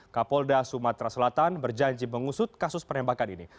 kapolda sumatera selatan berjanji mengusut kasus penembakan ini